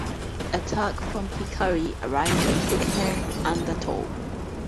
A tug from Hikari arrived and took her under tow.